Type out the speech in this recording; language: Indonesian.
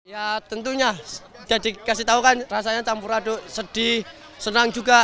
ya tentunya jadi kasih tau kan rasanya campur aduk sedih senang juga